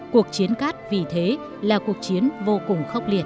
cuộc chiến cát vì thế là cuộc chiến vô cùng khốc liệt